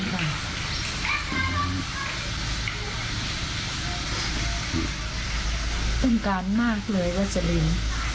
ต้องการมากเลยรัสลิน